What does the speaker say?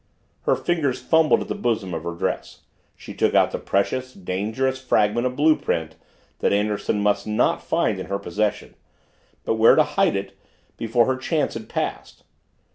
Her fingers fumbled at the bosom of her dress she took out the precious, dangerous fragment of blue print that Anderson must not find in her possession but where to hide it, before her chance had passed?